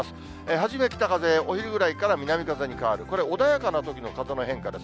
初め北風、お昼ぐらいから南風に変わる、これ、穏やかなときの風の変化です。